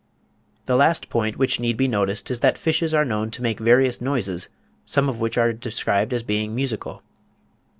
The last point which need be noticed is that fishes are known to make various noises, some of which are described as being musical.